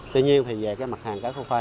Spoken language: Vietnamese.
tuy nhiên về mặt hàng cá khoai